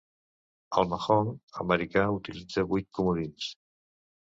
El mahjong americà utilitza vuit comodins.